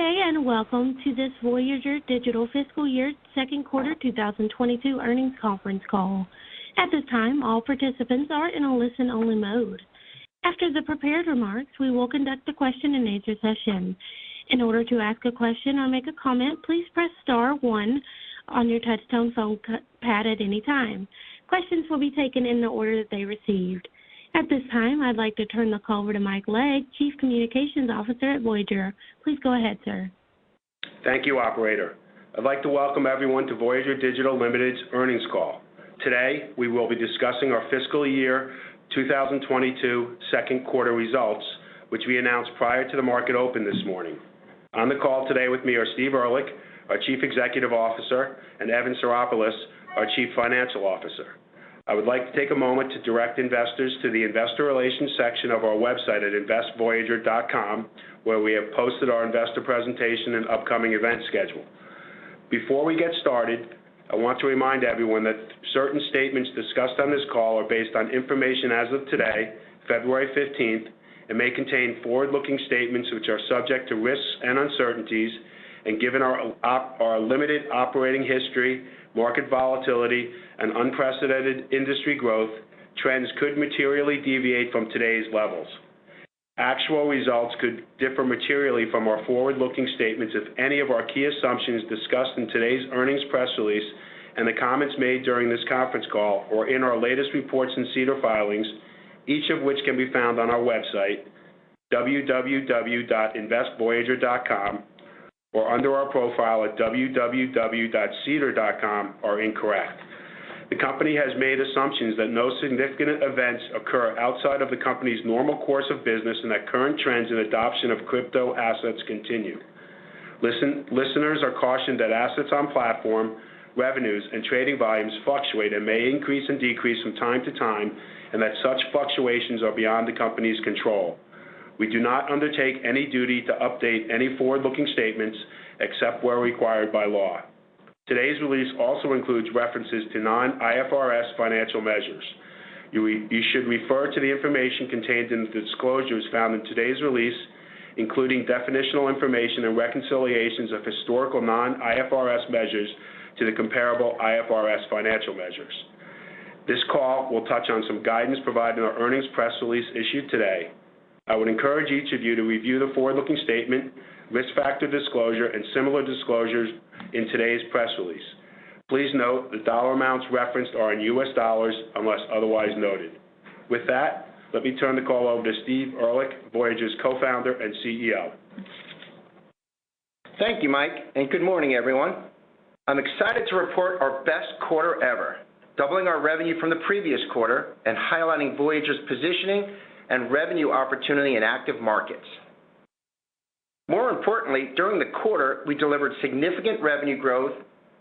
Good day, and welcome to this Voyager Digital Fiscal Year Second Quarter 2022 earnings conference call. At this time, all participants are in a listen-only mode. After the prepared remarks, we will conduct a question-and-answer session. In order to ask a question or make a comment, please press star one on your touchtone phone keypad at any time. Questions will be taken in the order that they received. At this time, I'd like to turn the call over to Michael Legg, Chief Communications Officer at Voyager. Please go ahead, sir. Thank you, operator. I'd like to welcome everyone to Voyager Digital Limited's earnings call. Today, we will be discussing our fiscal year 2022 second quarter results, which we announced prior to the market open this morning. On the call today with me are Steve Ehrlich, our Chief Executive Officer, and Evan Psaropoulos, our Chief Financial Officer. I would like to take a moment to direct investors to the investor relations section of our website at investvoyager.com, where we have posted our investor presentation and upcoming event schedule. Before we get started, I want to remind everyone that certain statements discussed on this call are based on information as of today, February fifteenth, and may contain forward-looking statements which are subject to risks and uncertainties. Given our limited operating history, market volatility, and unprecedented industry growth, trends could materially deviate from today's levels. Actual results could differ materially from our forward-looking statements if any of our key assumptions discussed in today's earnings press release and the comments made during this conference call or in our latest reports and SEDAR filings, each of which can be found on our website, www.investvoyager.com, or under our profile at www.sedar.com, are incorrect. The company has made assumptions that no significant events occur outside of the company's normal course of business, and that current trends and adoption of crypto assets continue. Listeners are cautioned that assets on platform, revenues, and trading volumes fluctuate and may increase and decrease from time to time, and that such fluctuations are beyond the company's control. We do not undertake any duty to update any forward-looking statements except where required by law. Today's release also includes references to non-IFRS financial measures. You should refer to the information contained in the disclosures found in today's release, including definitional information and reconciliations of historical non-IFRS measures to the comparable IFRS financial measures. This call will touch on some guidance provided in our earnings press release issued today. I would encourage each of you to review the forward-looking statement, risk factor disclosure, and similar disclosures in today's press release. Please note the dollar amounts referenced are in US dollars, unless otherwise noted. With that, let me turn the call over to Steve Ehrlich, Voyager's Co-founder and CEO. Thank you, Mike, and good morning, everyone. I'm excited to report our best quarter ever, doubling our revenue from the previous quarter and highlighting Voyager's positioning and revenue opportunity in active markets. More importantly, during the quarter, we delivered significant revenue growth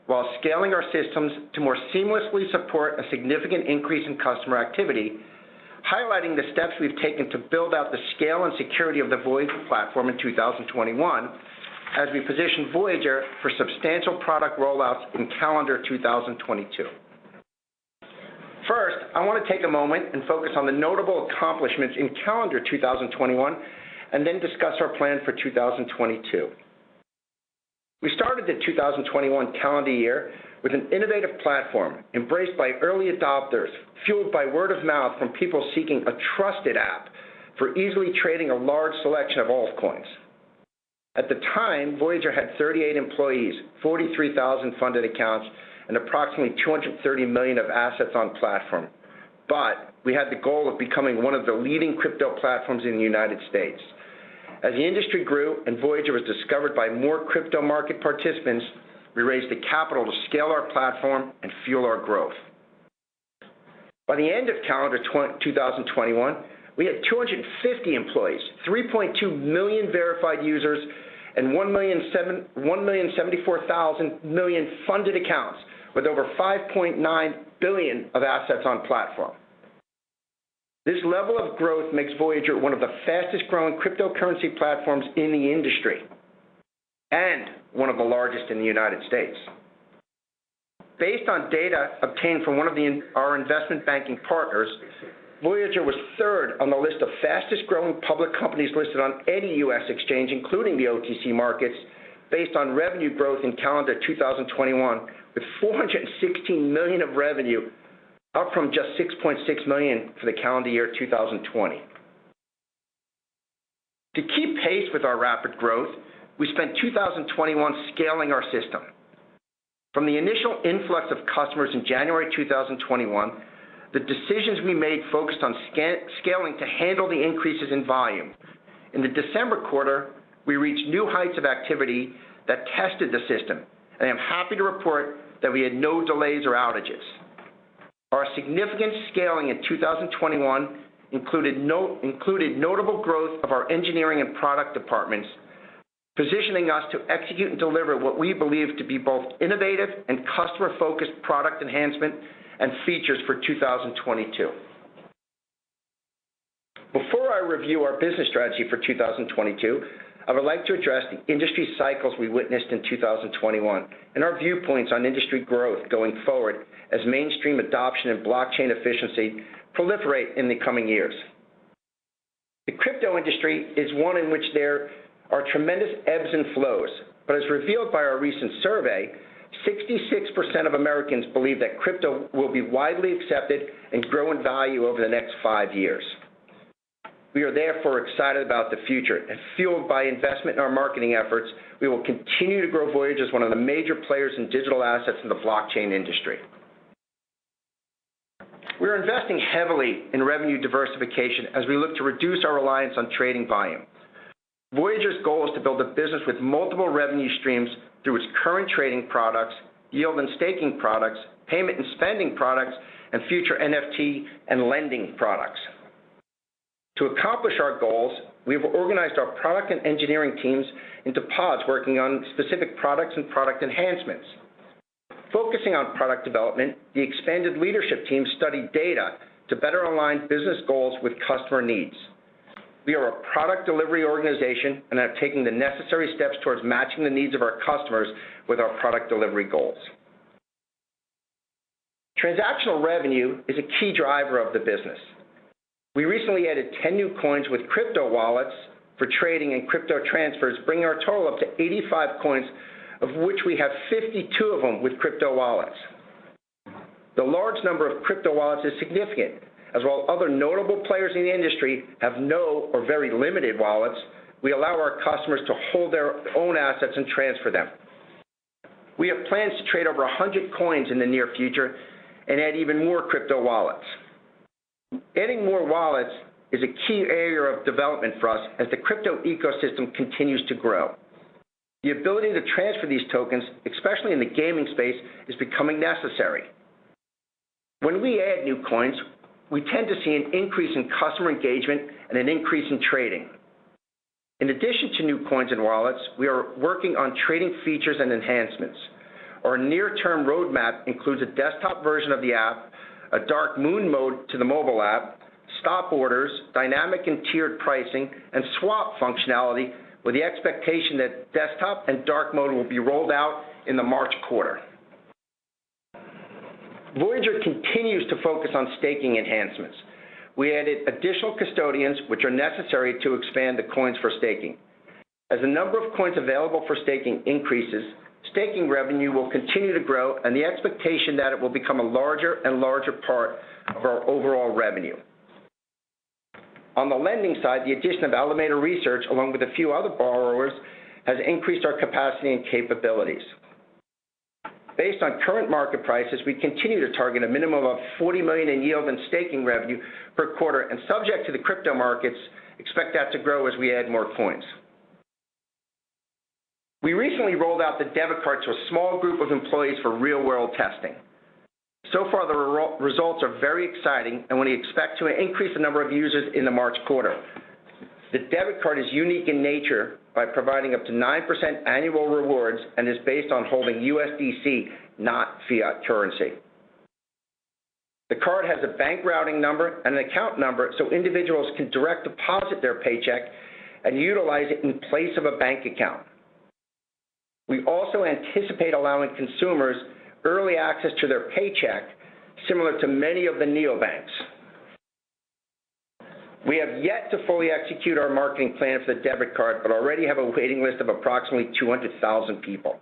while scaling our systems to more seamlessly support a significant increase in customer activity, highlighting the steps we've taken to build out the scale and security of the Voyager platform in 2021 as we position Voyager for substantial product rollouts in calendar 2022. First, I wanna take a moment and focus on the notable accomplishments in calendar 2021 and then discuss our plan for 2022. We started the 2021 calendar year with an innovative platform embraced by early adopters, fueled by word of mouth from people seeking a trusted app for easily trading a large selection of altcoins. At the time, Voyager had 38 employees, 43,000 funded accounts, and approximately $230 million of assets on platform. We had the goal of becoming one of the leading crypto platforms in the United States. As the industry grew and Voyager was discovered by more crypto market participants, we raised the capital to scale our platform and fuel our growth. By the end of calendar 2021, we had 250 employees, 3.2 million verified users, and 1.074 million funded accounts with over $5.9 billion of assets on platform. This level of growth makes Voyager one of the fastest-growing cryptocurrency platforms in the industry and one of the largest in the United States. Based on data obtained from one of our investment banking partners, Voyager was third on the list of fastest-growing public companies listed on any U.S. exchange, including the OTC markets, based on revenue growth in calendar 2021, with $416 million of revenue, up from just $6.6 million for the calendar year 2020. To keep pace with our rapid growth, we spent 2021 scaling our system. From the initial influx of customers in January 2021, the decisions we made focused on scaling to handle the increases in volume. In the December quarter, we reached new heights of activity that tested the system. I am happy to report that we had no delays or outages. Our significant scaling in 2021 included notable growth of our engineering and product departments, positioning us to execute and deliver what we believe to be both innovative and customer-focused product enhancement and features for 2022. Before I review our business strategy for 2022, I would like to address the industry cycles we witnessed in 2021 and our viewpoints on industry growth going forward as mainstream adoption and blockchain efficiency proliferate in the coming years. The crypto industry is one in which there are tremendous ebbs and flows, but as revealed by our recent survey, 66% of Americans believe that crypto will be widely accepted and grow in value over the next five years. We are therefore excited about the future and fueled by investment in our marketing efforts, we will continue to grow Voyager as one of the major players in digital assets in the blockchain industry. We are investing heavily in revenue diversification as we look to reduce our reliance on trading volume. Voyager's goal is to build a business with multiple revenue streams through its current trading products, yield and staking products, payment and spending products, and future NFT and lending products. To accomplish our goals, we have organized our product and engineering teams into pods working on specific products and product enhancements. Focusing on product development, the expanded leadership team studied data to better align business goals with customer needs. We are a product delivery organization and have taken the necessary steps towards matching the needs of our customers with our product delivery goals. Transactional revenue is a key driver of the business. We recently added 10 new coins with crypto wallets for trading and crypto transfers, bringing our total up to 85 coins, of which we have 52 of them with crypto wallets. The large number of crypto wallets is significant, as while other notable players in the industry have no or very limited wallets, we allow our customers to hold their own assets and transfer them. We have plans to trade over 100 coins in the near future and add even more crypto wallets. Adding more wallets is a key area of development for us as the crypto ecosystem continues to grow. The ability to transfer these tokens, especially in the gaming space, is becoming necessary. When we add new coins, we tend to see an increase in customer engagement and an increase in trading. In addition to new coins and wallets, we are working on trading features and enhancements. Our near-term roadmap includes a desktop version of the app, a dark mode to the mobile app, stop orders, dynamic and tiered pricing, and swap functionality, with the expectation that desktop and dark mode will be rolled out in the March quarter. Voyager continues to focus on staking enhancements. We added additional custodians, which are necessary to expand the coins for staking. As the number of coins available for staking increases, staking revenue will continue to grow, and the expectation that it will become a larger and larger part of our overall revenue. On the lending side, the addition of Alameda Research, along with a few other borrowers, has increased our capacity and capabilities. Based on current market prices, we continue to target a minimum of $40 million in yield and staking revenue per quarter, and subject to the crypto markets, expect that to grow as we add more coins. We recently rolled out the debit card to a small group of employees for real-world testing. So far, the results are very exciting, and we expect to increase the number of users in the March quarter. The debit card is unique in nature by providing up to 9% annual rewards and is based on holding USDC, not fiat currency. The card has a bank routing number and an account number so individuals can direct deposit their paycheck and utilize it in place of a bank account. We also anticipate allowing consumers early access to their paycheck, similar to many of the neobanks. We have yet to fully execute our marketing plan for the debit card, but already have a waiting list of approximately 200,000 people.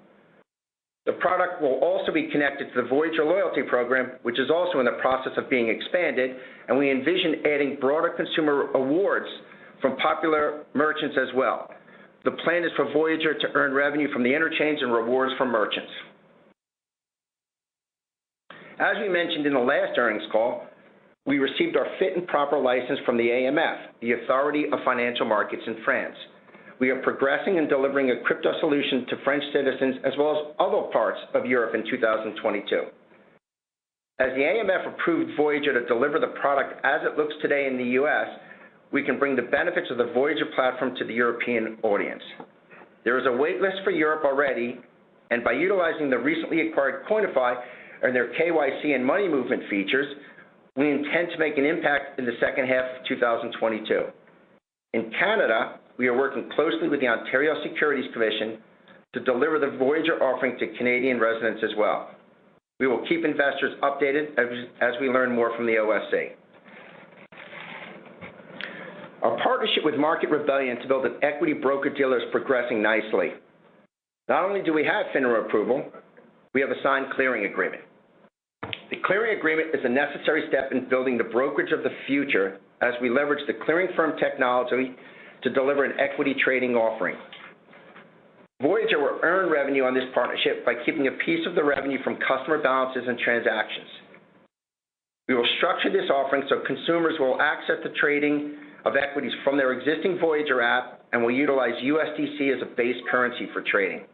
The product will also be connected to the Voyager Loyalty Program, which is also in the process of being expanded, and we envision adding broader consumer awards from popular merchants as well. The plan is for Voyager to earn revenue from the interchange and rewards from merchants. As we mentioned in the last earnings call, we received our fit and proper license from the AMF, the Autorité des Marchés Financiers in France. We are progressing in delivering a crypto solution to French citizens as well as other parts of Europe in 2022. As the AMF approved Voyager to deliver the product as it looks today in the U.S., we can bring the benefits of the Voyager platform to the European audience. There is a wait list for Europe already, and by utilizing the recently acquired Coinify and their KYC and money movement features, we intend to make an impact in the second half of 2022. In Canada, we are working closely with the Ontario Securities Commission to deliver the Voyager offering to Canadian residents as well. We will keep investors updated as we learn more from the OSC. Our partnership with Market Rebellion to build an equity broker-dealer is progressing nicely. Not only do we have FINRA approval, we have a signed clearing agreement. The clearing agreement is a necessary step in building the brokerage of the future as we leverage the clearing firm technology to deliver an equity trading offering. Voyager will earn revenue on this partnership by keeping a piece of the revenue from customer balances and transactions. We will structure this offering so consumers will access the trading of equities from their existing Voyager app and will utilize USDC as a base currency for trading.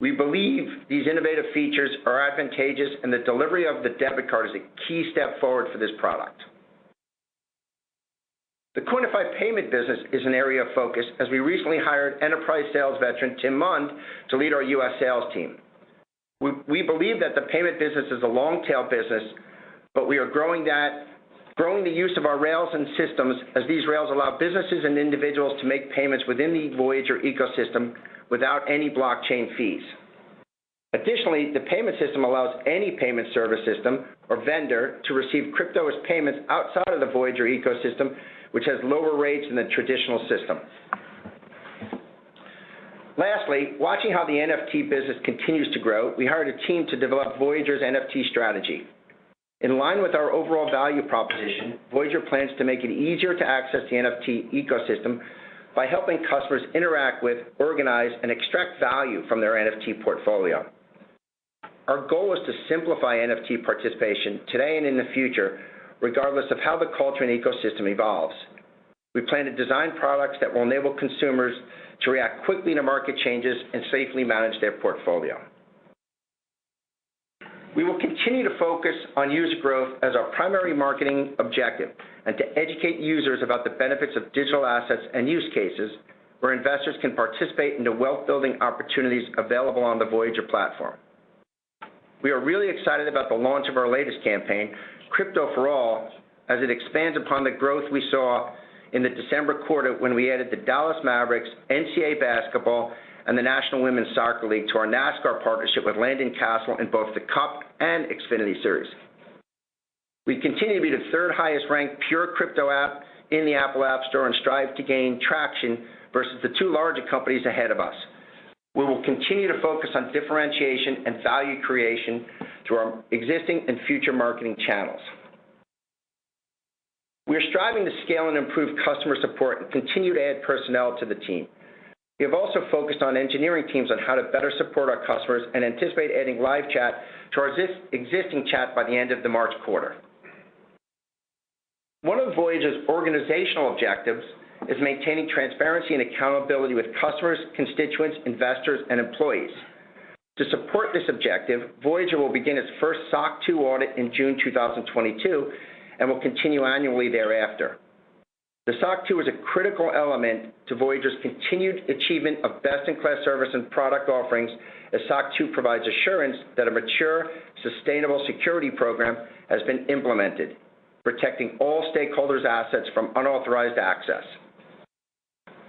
We believe these innovative features are advantageous and the delivery of the debit card is a key step forward for this product. The Coinify payment business is an area of focus as we recently hired enterprise sales veteran Tim Mund to lead our U.S. sales team. We believe that the payment business is a long-tail business, but we are growing that, growing the use of our rails and systems as these rails allow businesses and individuals to make payments within the Voyager ecosystem without any blockchain fees. Additionally, the payment system allows any payment service system or vendor to receive crypto as payments outside of the Voyager ecosystem, which has lower rates than the traditional system. Lastly, watching how the NFT business continues to grow, we hired a team to develop Voyager's NFT strategy. In line with our overall value proposition, Voyager plans to make it easier to access the NFT ecosystem by helping customers interact with, organize, and extract value from their NFT portfolio. Our goal is to simplify NFT participation today and in the future, regardless of how the culture and ecosystem evolves. We plan to design products that will enable consumers to react quickly to market changes and safely manage their portfolio. We will continue to focus on user growth as our primary marketing objective and to educate users about the benefits of digital assets and use cases where investors can participate in the wealth-building opportunities available on the Voyager platform. We are really excited about the launch of our latest campaign, Crypto for All, as it expands upon the growth we saw in the December quarter when we added the Dallas Mavericks, NCAA basketball, and the National Women's Soccer League to our NASCAR partnership with Landon Cassill in both the Cup and Xfinity Series. We continue to be the third highest-ranked pure crypto app in the Apple App Store and strive to gain traction versus the two larger companies ahead of us. We will continue to focus on differentiation and value creation through our existing and future marketing channels. We are striving to scale and improve customer support and continue to add personnel to the team. We have also focused on engineering teams on how to better support our customers and anticipate adding live chat to our existing chat by the end of the March quarter. One of Voyager's organizational objectives is maintaining transparency and accountability with customers, constituents, investors, and employees. To support this objective, Voyager will begin its first SOC 2 audit in June 2022 and will continue annually thereafter. The SOC 2 is a critical element to Voyager's continued achievement of best-in-class service and product offerings, as SOC 2 provides assurance that a mature, sustainable security program has been implemented, protecting all stakeholders' assets from unauthorized access.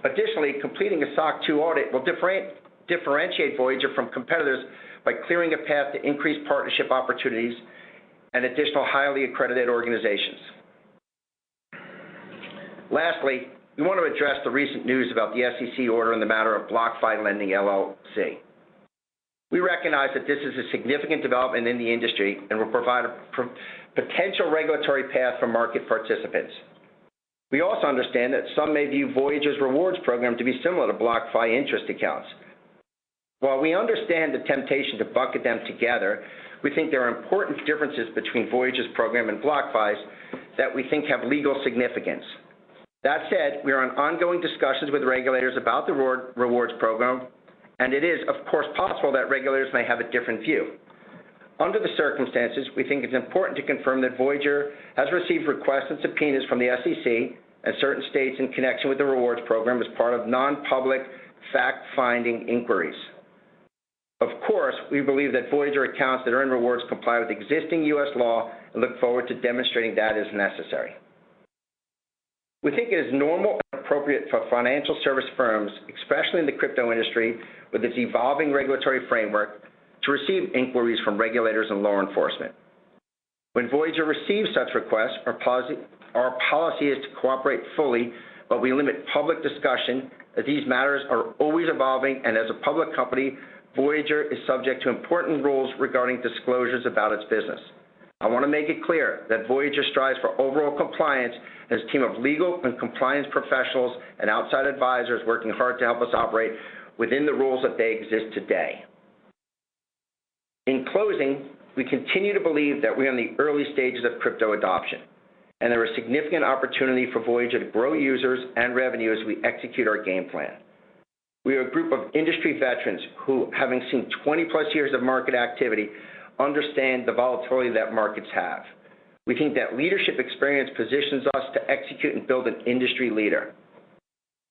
Additionally, completing a SOC 2 audit will differentiate Voyager from competitors by clearing a path to increased partnership opportunities and additional highly accredited organizations. Lastly, we want to address the recent news about the SEC order in the matter of BlockFi Lending LLC. We recognize that this is a significant development in the industry and will provide a potential regulatory path for market participants. We also understand that some may view Voyager's rewards program to be similar to BlockFi interest accounts. While we understand the temptation to bucket them together, we think there are important differences between Voyager's program and BlockFi's that we think have legal significance. That said, we are in ongoing discussions with regulators about the rewards program, and it is, of course, possible that regulators may have a different view. Under the circumstances, we think it's important to confirm that Voyager has received requests and subpoenas from the SEC and certain states in connection with the rewards program as part of non-public fact-finding inquiries. Of course, we believe that Voyager accounts that are in rewards comply with existing U.S. law and look forward to demonstrating that as necessary. We think it is normal and appropriate for financial service firms, especially in the crypto industry with its evolving regulatory framework, to receive inquiries from regulators and law enforcement. When Voyager receives such requests, our policy is to cooperate fully, but we limit public discussion, as these matters are always evolving, and as a public company, Voyager is subject to important rules regarding disclosures about its business. I wanna make it clear that Voyager strives for overall compliance and its team of legal and compliance professionals and outside advisors working hard to help us operate within the rules that they exist today. In closing, we continue to believe that we're in the early stages of crypto adoption, and there is significant opportunity for Voyager to grow users and revenue as we execute our game plan. We are a group of industry veterans who, having seen 20-plus years of market activity, understand the volatility that markets have. We think that leadership experience positions us to execute and build an industry leader.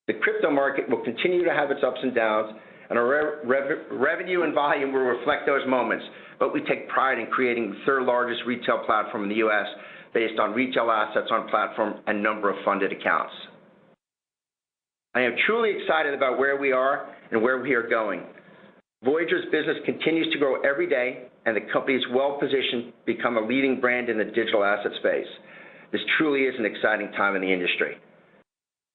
The crypto market will continue to have its ups and downs, and our revenue and volume will reflect those moments, but we take pride in creating the third-largest retail platform in the U.S. based on retail assets on platform and number of funded accounts. I am truly excited about where we are and where we are going. Voyager's business continues to grow every day, and the company is well-positioned to become a leading brand in the digital asset space. This truly is an exciting time in the industry.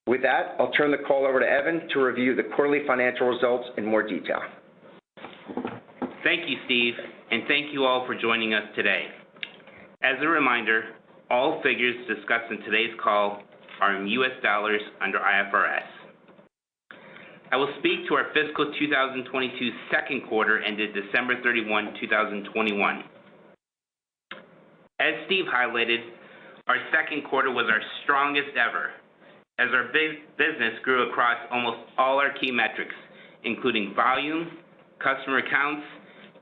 With that, I'll turn the call over to Evan to review the quarterly financial results in more detail. Thank you, Steve, and thank you all for joining us today. As a reminder, all figures discussed in today's call are in U.S. dollars under IFRS. I will speak to our fiscal 2022 second quarter ended December 31, 2021. As Steve highlighted, our second quarter was our strongest ever, as our business grew across almost all our key metrics, including volume, customer accounts,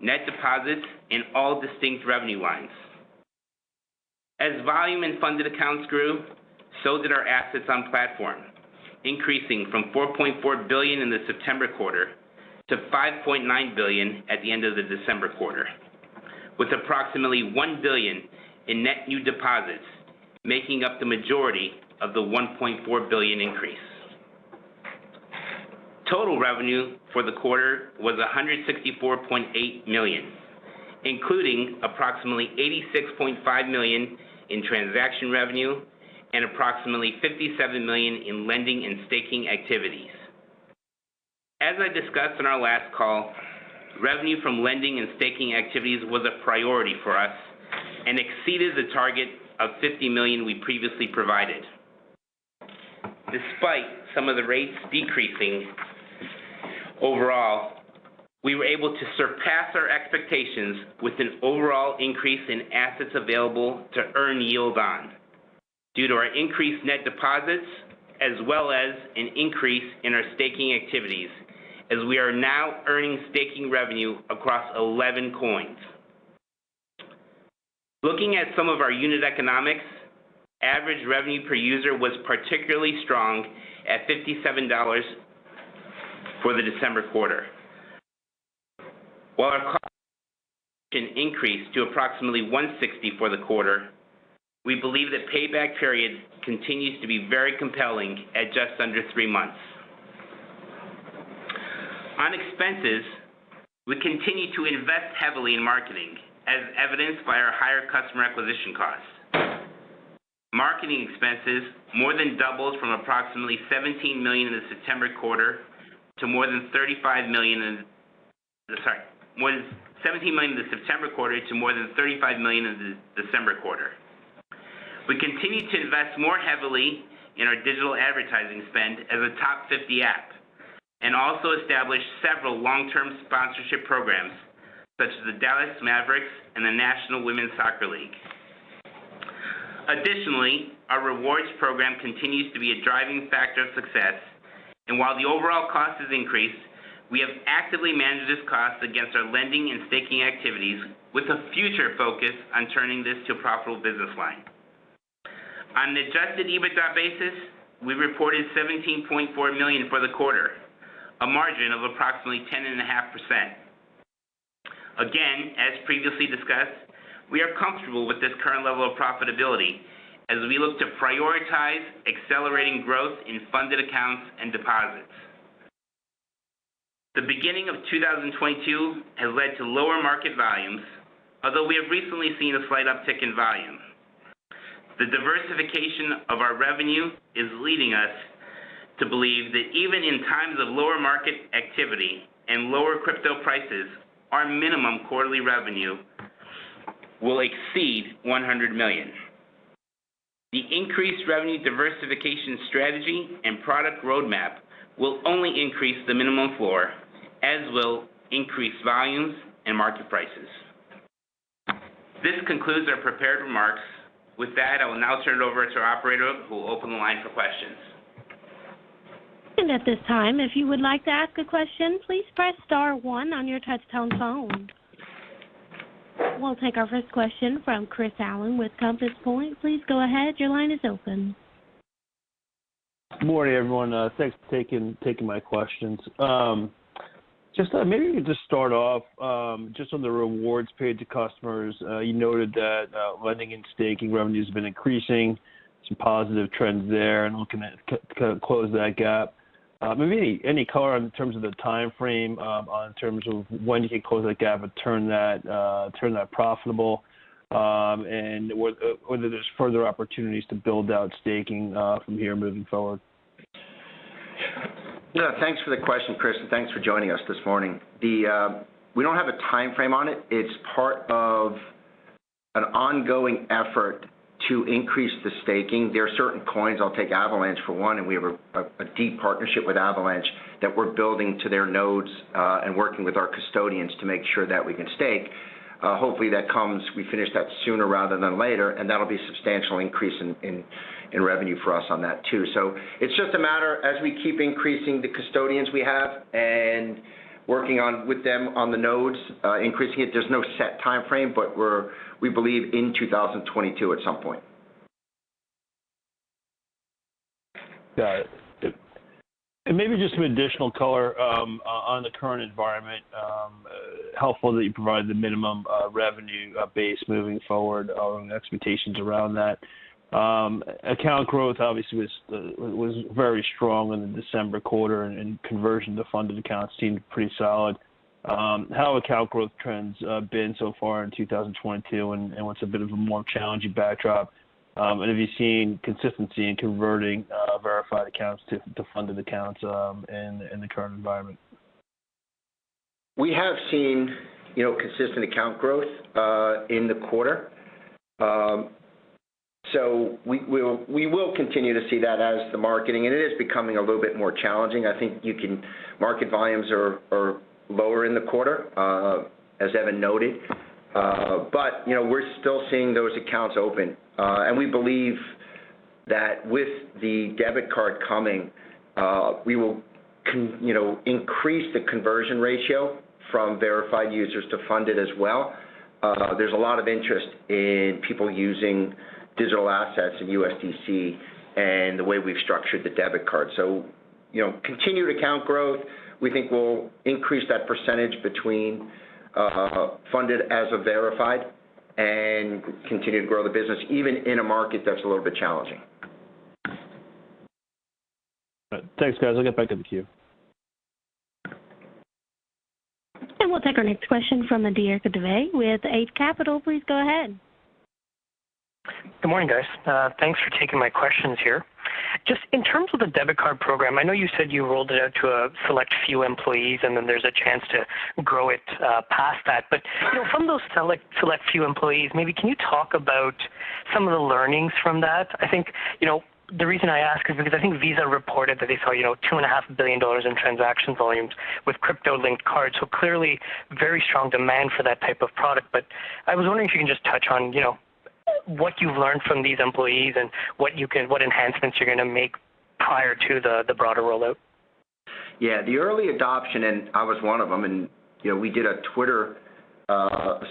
net deposits, and all distinct revenue lines. As volume and funded accounts grew, so did our assets on platform, increasing from $4.4 billion in the September quarter to $5.9 billion at the end of the December quarter, with approximately $1 billion in net new deposits making up the majority of the $1.4 billion increase. Total revenue for the quarter was $164.8 million, including approximately $86.5 million in transaction revenue and approximately $57 million in lending and staking activities. As I discussed on our last call, revenue from lending and staking activities was a priority for us and exceeded the target of $50 million we previously provided. Despite some of the rates decreasing overall, we were able to surpass our expectations with an overall increase in assets available to earn yield on due to our increased net deposits, as well as an increase in our staking activities as we are now earning staking revenue across 11 coins. Looking at some of our unit economics, average revenue per user was particularly strong at $57 for the December quarter. While our increase to approximately $160 for the quarter, we believe the payback period continues to be very compelling at just under three months. On expenses, we continue to invest heavily in marketing, as evidenced by our higher customer acquisition costs. Marketing expenses more than doubled from approximately $17 million in the September quarter to more than $35 million. More than $17 million in the September quarter to more than $35 million in the December quarter. We continue to invest more heavily in our digital advertising spend as a top 50 app, and also established several long-term sponsorship programs such as the Dallas Mavericks and the National Women's Soccer League. Additionally, our rewards program continues to be a driving factor of success, and while the overall cost has increased, we have actively managed this cost against our lending and staking activities with a future focus on turning this to a profitable business line. On an adjusted EBITDA basis, we reported $17.4 million for the quarter, a margin of approximately 10.5%. Again, as previously discussed, we are comfortable with this current level of profitability as we look to prioritize accelerating growth in funded accounts and deposits. The beginning of 2022 has led to lower market volumes, although we have recently seen a slight uptick in volume. The diversification of our revenue is leading us to believe that even in times of lower market activity and lower crypto prices, our minimum quarterly revenue will exceed $100 million. The increased revenue diversification strategy and product roadmap will only increase the minimum floor, as will increase volumes and market prices. This concludes our prepared remarks. With that, I will now turn it over to our operator who will open the line for questions. At this time, if you would like to ask a question, please press star one on your touchtone phone. We'll take our first question from Chris Allen with Compass Point. Please go ahead. Your line is open. Good morning, everyone. Thanks for taking my questions. Maybe you could just start off just on the rewards paid to customers. You noted that lending and staking revenues have been increasing, some positive trends there, and looking to close that gap. Maybe any color in terms of the timeframe in terms of when you can close that gap and turn that profitable, and whether there's further opportunities to build out staking from here moving forward? Yeah. Thanks for the question, Chris, and thanks for joining us this morning. We don't have a timeframe on it. It's part of an ongoing effort to increase the staking. There are certain coins. I'll take Avalanche for one, and we have a deep partnership with Avalanche that we're building to their nodes and working with our custodians to make sure that we can stake. Hopefully we finish that sooner rather than later, and that'll be a substantial increase in revenue for us on that too. It's just a matter of as we keep increasing the custodians we have and working with them on the nodes, increasing it. There's no set timeframe, but we believe in 2022 at some point. Got it. Maybe just some additional color on the current environment. It's helpful that you provide the minimum revenue base moving forward, expectations around that. Account growth obviously was very strong in the December quarter and conversion to funded accounts seemed pretty solid. How have account growth trends been so far in 2022 and what's a bit of a more challenging backdrop? Have you seen consistency in converting verified accounts to funded accounts in the current environment? We have seen, you know, consistent account growth in the quarter. We will continue to see that as the marketing and it is becoming a little bit more challenging. I think market volumes are lower in the quarter, as Evan noted. You know, we're still seeing those accounts open. We believe that with the debit card coming, we will increase the conversion ratio from verified users to funded as well. There's a lot of interest in people using digital assets and USDC and the way we've structured the debit card. You know, continued account growth we think will increase that percentage between funded and verified. Continue to grow the business even in a market that's a little bit challenging. All right. Thanks, guys. I'll get back in the queue. We'll take our next question from Adhir Kadve with Eight Capital. Please go ahead. Good morning, guys. Thanks for taking my questions here. Just in terms of the debit card program, I know you said you rolled it out to a select few employees, and then there's a chance to grow it past that. You know, from those select few employees, maybe can you talk about some of the learnings from that? I think, you know, the reason I ask is because I think Visa reported that they saw, you know, $2.5 billion in transaction volumes with crypto-linked cards. Clearly very strong demand for that type of product. I was wondering if you can just touch on, you know, what you've learned from these employees and what enhancements you're gonna make prior to the broader rollout. Yeah. The early adoption, and I was one of them, and you know, we did a Twitter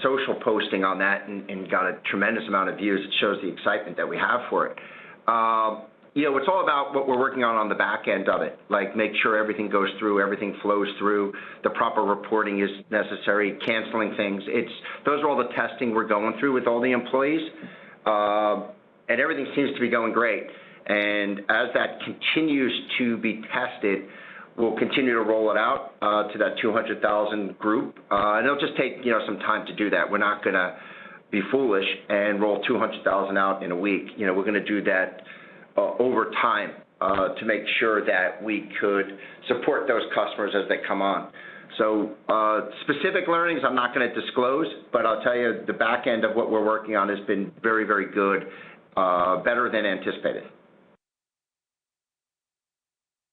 social posting on that and got a tremendous amount of views. It shows the excitement that we have for it. You know, it's all about what we're working on on the back end of it, like make sure everything goes through, everything flows through, the proper reporting is necessary, canceling things. Those are all the testing we're going through with all the employees. Everything seems to be going great. As that continues to be tested, we'll continue to roll it out to that 200,000 group. It'll just take you know, some time to do that. We're not gonna be foolish and roll 200,000 out in a week. You know, we're gonna do that over time, to make sure that we could support those customers as they come on. Specific learnings I'm not gonna disclose, but I'll tell you the back end of what we're working on has been very, very good, better than anticipated.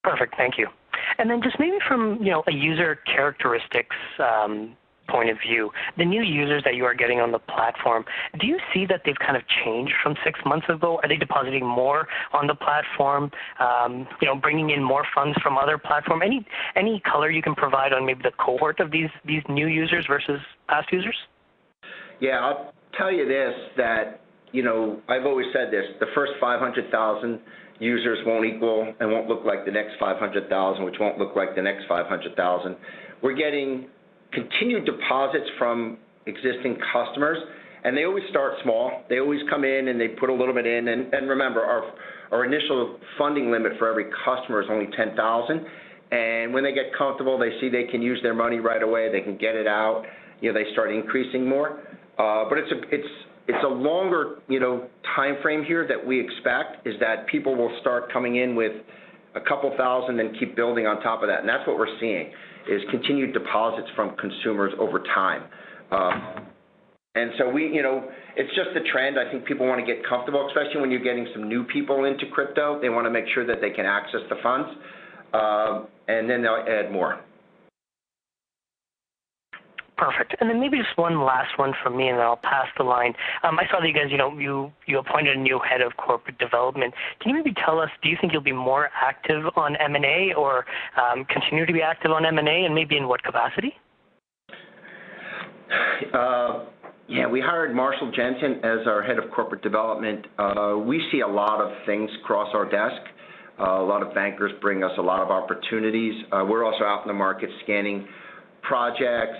Perfect. Thank you. Just maybe from, you know, a user characteristics point of view, the new users that you are getting on the platform, do you see that they've kind of changed from six months ago? Are they depositing more on the platform? You know, bringing in more funds from other platform? Any color you can provide on maybe the cohort of these new users versus past users? Yeah. I'll tell you this, that, you know, I've always said this, the first 500,000 users won't equal and won't look like the next 500,000, which won't look like the next 500,000. We're getting continued deposits from existing customers, and they always start small. They always come in, and they put a little bit in. Remember, our initial funding limit for every customer is only $10,000. When they get comfortable, they see they can use their money right away, they can get it out, you know, they start increasing more. It's a longer timeframe here that we expect is that people will start coming in with a couple 1,000 then keep building on top of that. That's what we're seeing, is continued deposits from consumers over time. We, you know, it's just a trend. I think people wanna get comfortable, especially when you're getting some new people into crypto. They wanna make sure that they can access the funds, and then they'll add more. Perfect. Then maybe just one last one from me, and then I'll pass the line. I saw that you guys, you know, you appointed a new Head of Corporate Development. Can you maybe tell us do you think you'll be more active on M&A or, continue to be active on M&A, and maybe in what capacity? Yeah. We hired Marshall Jensen as our Head of Corporate Development. We see a lot of things cross our desk. A lot of bankers bring us a lot of opportunities. We're also out in the market scanning projects,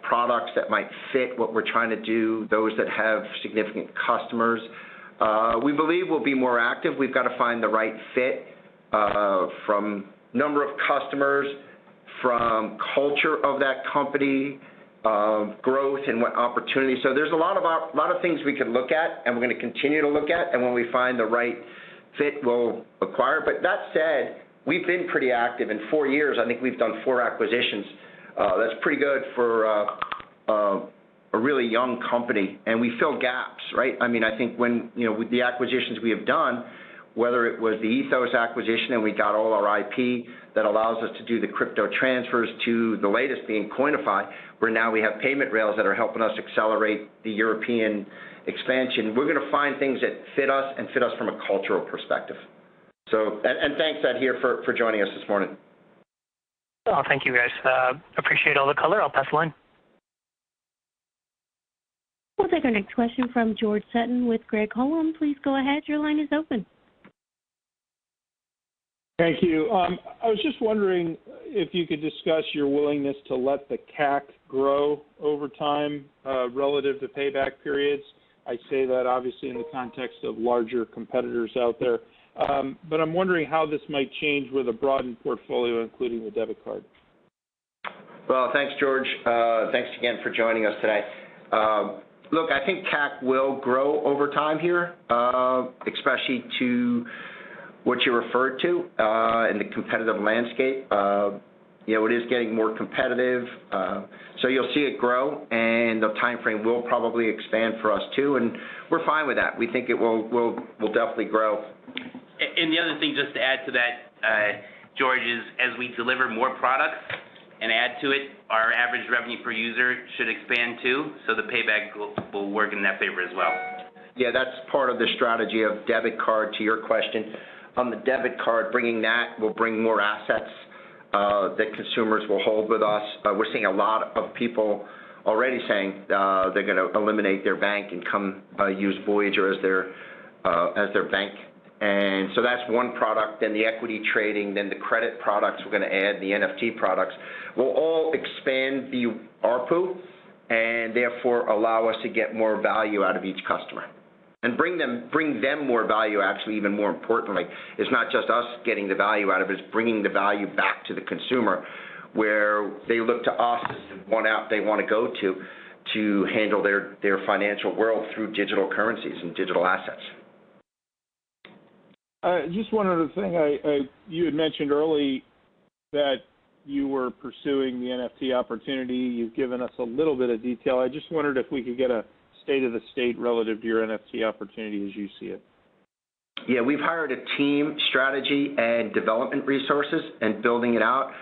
products that might fit what we're trying to do, those that have significant customers. We believe we'll be more active. We've gotta find the right fit, from number of customers, from culture of that company, growth and what opportunities. There's a lot of things we can look at, and we're gonna continue to look at. When we find the right fit, we'll acquire it. That said, we've been pretty active. In four years, I think we've done four acquisitions. That's pretty good for a really young company. We fill gaps, right? I mean, I think when, you know, with the acquisitions we have done, whether it was the Ethos acquisition and we got all our IP that allows us to do the crypto transfers to the latest being Coinify, where now we have payment rails that are helping us accelerate the European expansion. We're gonna find things that fit us and fit us from a cultural perspective. Thanks Adhir for joining us this morning. Oh, thank you, guys. Appreciate all the color. I'll pass the line. We'll take our next question from George Sutton with Craig-Hallum. Please go ahead. Your line is open. Thank you. I was just wondering if you could discuss your willingness to let the CAC grow over time, relative to payback periods. I say that obviously in the context of larger competitors out there. I'm wondering how this might change with a broadened portfolio, including the debit card? Well, thanks, George. Thanks again for joining us today. Look, I think CAC will grow over time here, especially to what you referred to in the competitive landscape. You know, it is getting more competitive, so you'll see it grow, and the timeframe will probably expand for us too, and we're fine with that. We think it will definitely grow. The other thing just to add to that, George, is as we deliver more products and add to it, our average revenue per user should expand too, so the payback will work in that favor as well. Yeah. That's part of the strategy on the debit card to your question. On the debit card, bringing that will bring more assets that consumers will hold with us. We're seeing a lot of people already saying they're gonna eliminate their bank and come use Voyager as their bank. That's one product. The equity trading, the credit products we're gonna add, the NFT products, will all expand your ARPU, and therefore allow us to get more value out of each customer. Bring them more value actually, even more importantly. It's not just us getting the value out of it's bringing the value back to the consumer where they look to us as the one app they wanna go to handle their financial world through digital currencies and digital assets. Just one other thing. You had mentioned earlier that you were pursuing the NFT opportunity. You've given us a little bit of detail. I just wondered if we could get a state of the state relative to your NFT opportunity as you see it? Yeah. We've hired a team, strategy and development resources, and building it out.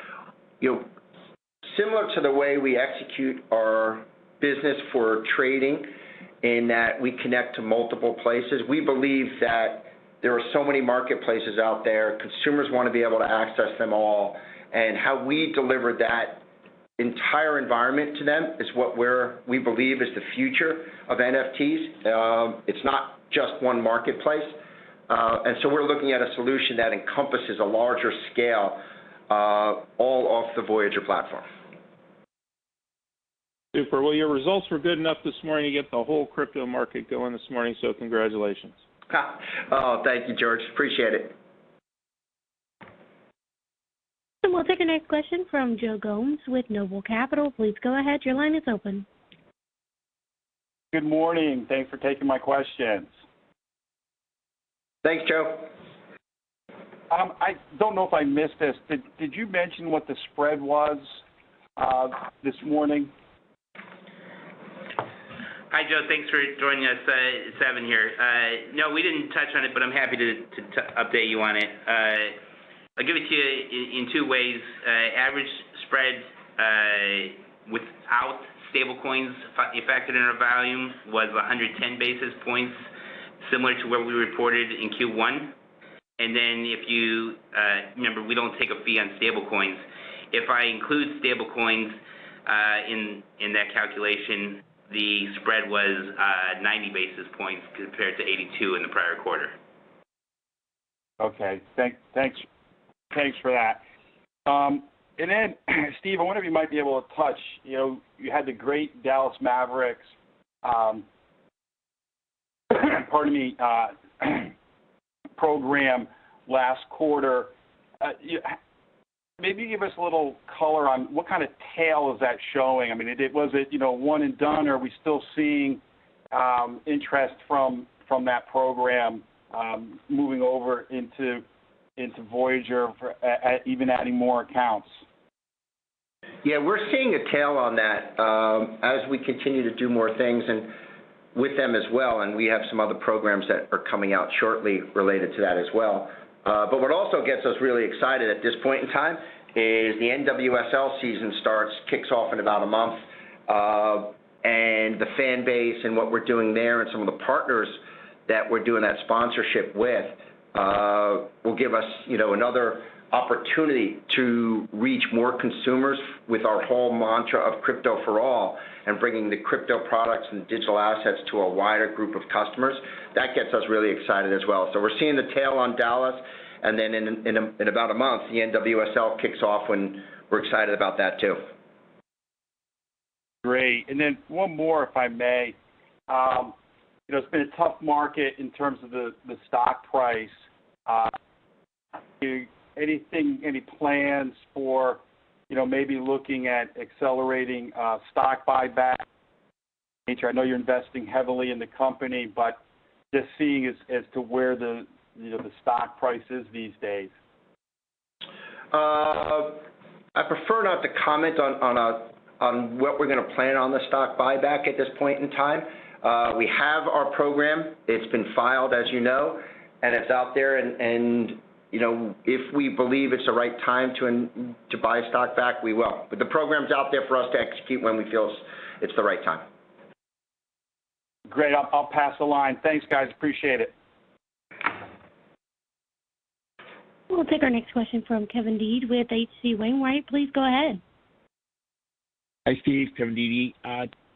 You know, similar to the way we execute our business for trading in that we connect to multiple places, we believe that there are so many marketplaces out there, consumers wanna be able to access them all. How we deliver that entire environment to them is what we believe is the future of NFTs. It's not just one marketplace. We're looking at a solution that encompasses a larger scale, all off the Voyager platform. Super. Well, your results were good enough this morning to get the whole crypto market going this morning, so congratulations. Oh, thank you, George. Appreciate it. We'll take the next question from Joe Gomes with Noble Capital. Please go ahead. Your line is open. Good morning. Thanks for taking my questions. Thanks, Joe. I don't know if I missed this. Did you mention what the spread was this morning? Hi, Joe. Thanks for joining us. It's Evan here. No, we didn't touch on it, but I'm happy to update you on it. I'll give it to you in two ways. Average spread without stablecoins affected in our volume was 110 basis points, similar to what we reported in Q1. If you remember, we don't take a fee on stablecoins. If I include stablecoins in that calculation, the spread was 90 basis points compared to 82 in the prior quarter. Thanks for that. Steve, I wonder if you might be able to touch. You know, you had the great Dallas Mavericks program last quarter. Maybe give us a little color on what kind of tailwind is that showing. I mean, was it one and done or are we still seeing interest from that program moving over into Voyager or even adding more accounts? Yeah. We're seeing a tail on that, as we continue to do more things and with them as well, and we have some other programs that are coming out shortly related to that as well. What also gets us really excited at this point in time is the NWSL season starts, kicks off in about a month. The fan base and what we're doing there and some of the partners that we're doing that sponsorship with will give us, you know, another opportunity to reach more consumers with our whole mantra of Crypto for All and bringing the crypto products and digital assets to a wider group of customers. That gets us really excited as well. We're seeing the tail on Dallas, and then in about a month, the NWSL kicks off and we're excited about that too. Great. Then one more, if I may. You know, it's been a tough market in terms of the stock price. Do you have any plans for, you know, maybe looking at accelerating stock buyback? I know you're investing heavily in the company, but just seeing as to where you know, the stock price is these days? I prefer not to comment on what we're gonna plan on the stock buyback at this point in time. We have our program. It's been filed, as you know, and it's out there and you know, if we believe it's the right time to buy stock back, we will. The program's out there for us to execute when we feel it's the right time. Great. I'll pass the line. Thanks, guys. Appreciate it. We'll take our next question from Kevin Dede with H.C. Wainwright. Please go ahead. Hi, Steve. Kevin Dede.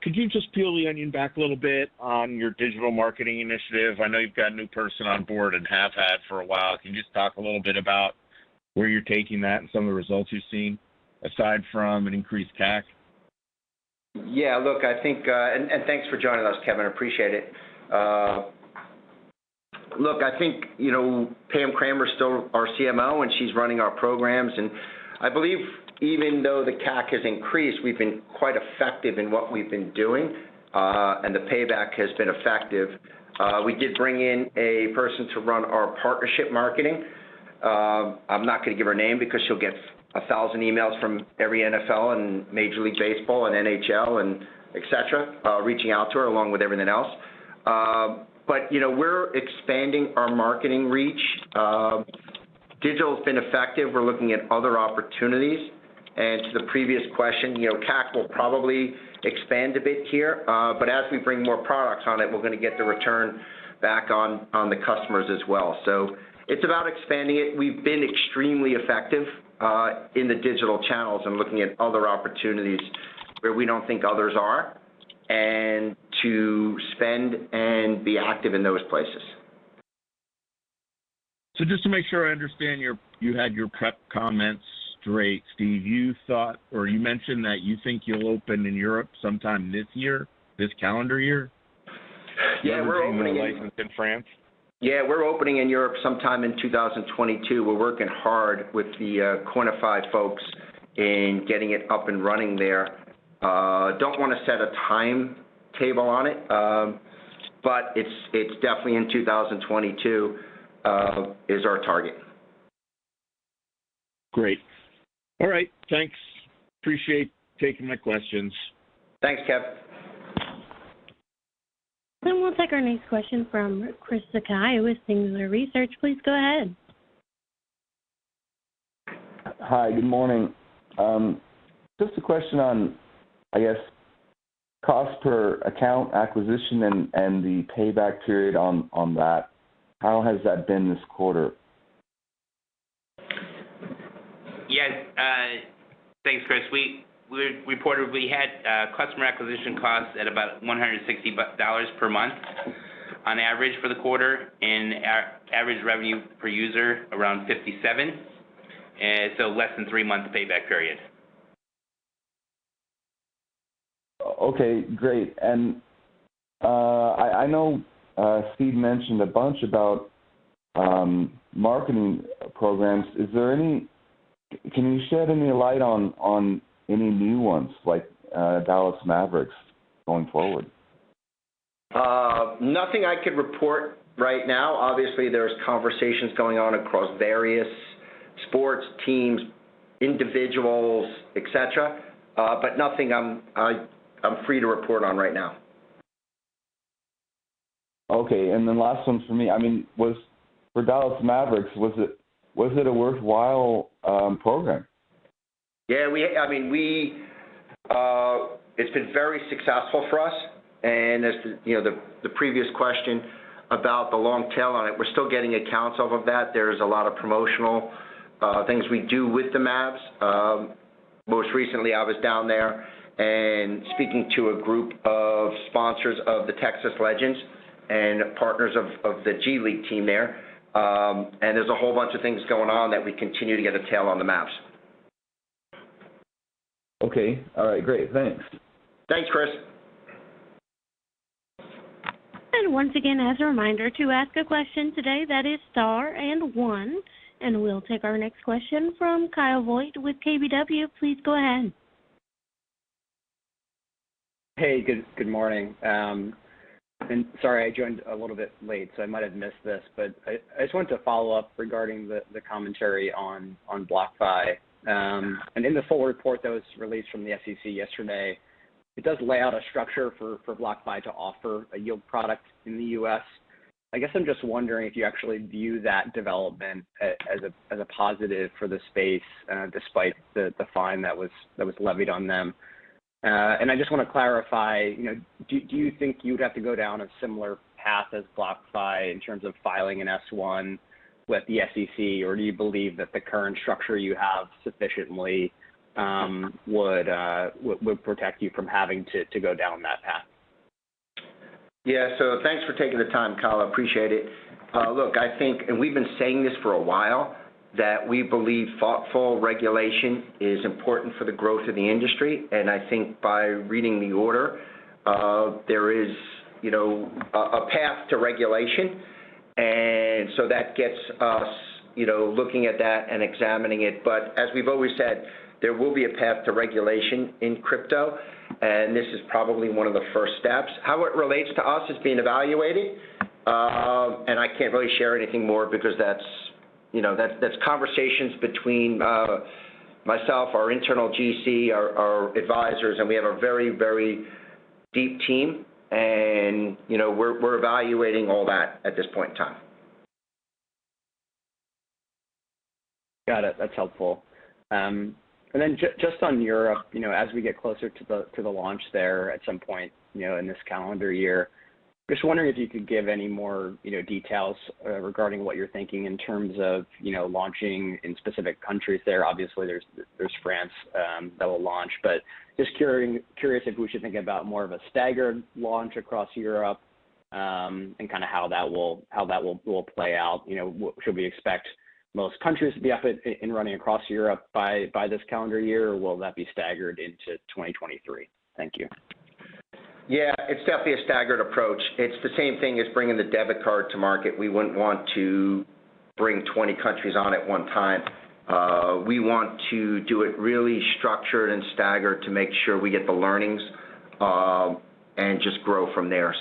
Could you just peel the onion back a little bit on your digital marketing initiative? I know you've got a new person on board and have had for a while. Can you just talk a little bit about where you're taking that and some of the results you've seen, aside from an increased CAC? Yeah. Thanks for joining us, Kevin. I appreciate it. Look, I think Pam Kramer is still our CMO, and she's running our programs. I believe even though the CAC has increased, we've been quite effective in what we've been doing, and the payback has been effective. We did bring in a person to run our partnership marketing. I'm not gonna give her name because she'll get 1,000 emails from every NFL and Major League Baseball and NHL and et cetera, reaching out to her along with everything else. You know, we're expanding our marketing reach. Digital has been effective. We're looking at other opportunities. To the previous question, you know, CAC will probably expand a bit here. As we bring more products on it, we're gonna get the return back on the customers as well. It's about expanding it. We've been extremely effective in the digital channels and looking at other opportunities where we don't think others are, and to spend and be active in those places. Just to make sure I understand you had your prep comments straight, Steve. You thought or you mentioned that you think you'll open in Europe sometime this year, this calendar year? Yeah. We're opening. You're opening a license in France. Yeah, we're opening in Europe sometime in 2022. We're working hard with the Coinify folks in getting it up and running there. Don't wanna set a timetable on it, but it's definitely in 2022 is our target. Great. All right, thanks. I appreciate taking my questions. Thanks, Kevin. We'll take our next question from Christopher Sakai with Singular Research. Please go ahead. Hi, good morning. Just a question on, I guess, cost per account acquisition and the payback period on that. How has that been this quarter? Yes. Thanks, Chris. We reportedly had customer acquisition costs at about $160 per month on average for the quarter, and average revenue per user around $57. So less than three months payback period. Okay, great. I know Steve mentioned a bunch about marketing programs. Can you shed any light on any new ones like Dallas Mavericks going forward? Nothing I could report right now. Obviously, there's conversations going on across various sports teams, individuals, et cetera, but nothing I'm free to report on right now. Okay. Last one for me, I mean, was for Dallas Mavericks, was it a worthwhile program? Yeah. It's been very successful for us. As you know, the previous question about the long tail on it, we're still getting accounts off of that. There's a lot of promotional things we do with the Mavs. Most recently, I was down there and speaking to a group of sponsors of the Texas Legends and partners of the G League team there. There's a whole bunch of things going on that we continue to get a tail on the Mavs. Okay. All right. Great. Thanks. Thanks, Chris. Once again as a reminder, to ask a question today, that is star and one, and we'll take our next question from Kyle Voigt with KBW. Please go ahead. Hey, good morning. Sorry, I joined a little bit late, so I might have missed this, but I just wanted to follow up regarding the commentary on BlockFi. In the full report that was released from the SEC yesterday, it does lay out a structure for BlockFi to offer a yield product in the U.S. I guess I'm just wondering if you actually view that development as a positive for the space, despite the fine that was levied on them. I just wanna clarify, you know, do you think you'd have to go down a similar path as BlockFi in terms of filing an S-1 with the SEC? Do you believe that the current structure you have sufficiently would protect you from having to go down that path? Yeah. Thanks for taking the time, Kyle. I appreciate it. Look, I think, we've been saying this for a while, that we believe thoughtful regulation is important for the growth of the industry. I think by reading the order, there is, you know, a path to regulation. That gets us, you know, looking at that and examining it. As we've always said, there will be a path to regulation in crypto, and this is probably one of the first steps. How it relates to us is being evaluated, and I can't really share anything more because that's, you know, that's conversations between myself, our internal GC, our advisors, and we have a very deep team and, you know, we're evaluating all that at this point in time. Got it. That's helpful. Just on Europe, you know, as we get closer to the launch there at some point, you know, in this calendar year, just wondering if you could give any more, you know, details regarding what you're thinking in terms of, you know, launching in specific countries there. Obviously, there's France that will launch, but just curious if we should think about more of a staggered launch across Europe, and kinda how that will play out. You know, should we expect most countries to be up and running across Europe by this calendar year, or will that be staggered into 2023? Thank you. Yeah. It's definitely a staggered approach. It's the same thing as bringing the debit card to market. We wouldn't want to bring 20 countries on at one time. We want to do it really structured and staggered to make sure we get the learnings and just grow from there.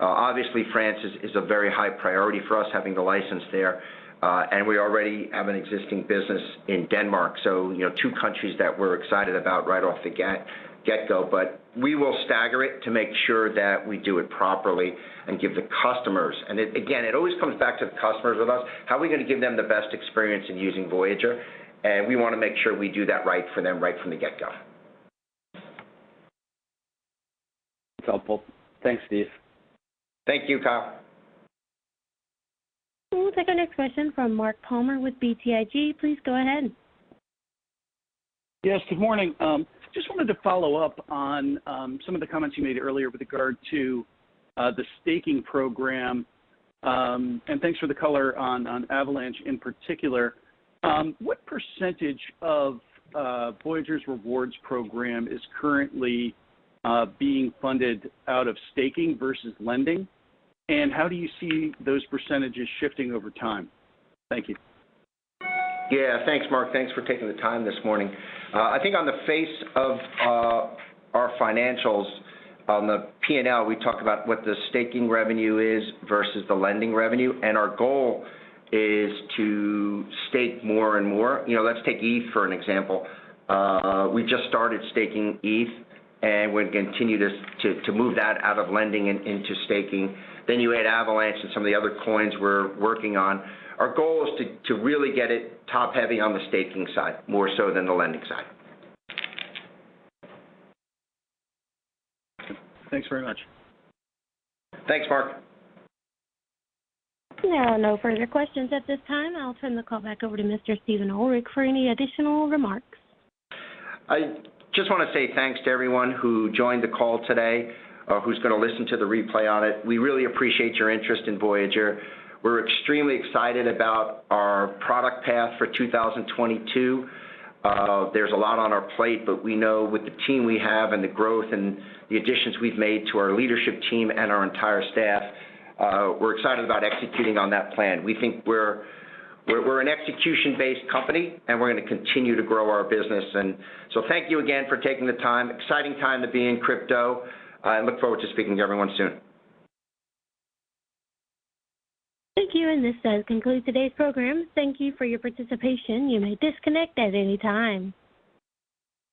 Obviously, France is a very high priority for us having the license there. We already have an existing business in Denmark, so you know, two countries that we're excited about right off the get-go. We will stagger it to make sure that we do it properly and give the customers. It, again, always comes back to the customers with us. How are we gonna give them the best experience in using Voyager? We wanna make sure we do that right for them right from the get-go. It's helpful. Thanks, Steve. Thank you, Kyle. We'll take our next question from Mark Palmer with BTIG. Please go ahead. Yes, good morning. Just wanted to follow up on some of the comments you made earlier with regard to the staking program, and thanks for the color on Avalanche in particular. What percentage of Voyager's rewards program is currently being funded out of staking versus lending? And how do you see those percentages shifting over time? Thank you. Yeah, thanks Mark. Thanks for taking the time this morning. I think on the face of our financials on the P&L, we talk about what the staking revenue is versus the lending revenue. Our goal is to stake more and more. You know, let's take ETH for an example. We just started staking ETH, and we're gonna continue to move that out of lending and into staking. Then you add Avalanche and some of the other coins we're working on. Our goal is to really get it top-heavy on the staking side more so than the lending side. Thanks very much. Thanks, Mark. There are no further questions at this time. I'll turn the call back over to Mr. Steve Ehrlich for any additional remarks. I just wanna say thanks to everyone who joined the call today, who's gonna listen to the replay on it. We really appreciate your interest in Voyager. We're extremely excited about our product path for 2022. There's a lot on our plate, but we know with the team we have and the growth and the additions we've made to our leadership team and our entire staff, we're excited about executing on that plan. We think we're an execution-based company, and we're gonna continue to grow our business. Thank you again for taking the time. Exciting time to be in crypto. I look forward to speaking to everyone soon. Thank you, and this does conclude today's program. Thank you for your participation. You may disconnect at any time.